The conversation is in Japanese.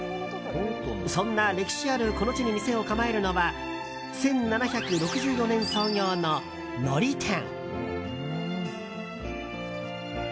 そんな歴史あるこの地に店を構えるのは１７６４年創業の、のり店。